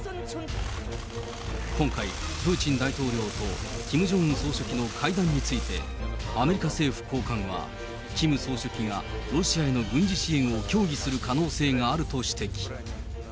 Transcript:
今回、プーチン大統領とキム・ジョンウン総書記の会談について、アメリカ政府高官は、キム総書記がロシアへの軍事支援を協議する可能性があると指摘。